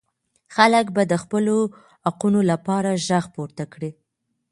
خلګ به د خپلو حقونو لپاره ږغ پورته کړي.